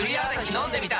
飲んでみた！